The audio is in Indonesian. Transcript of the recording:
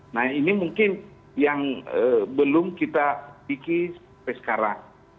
nah ini mungkin yang belum kita pikir sampai sekarang